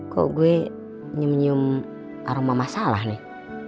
kok gue nyum nyum aroma masalah nih